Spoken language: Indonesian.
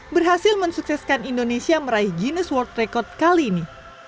berhasil mensukseskan indonesia meraih giness world record kali ini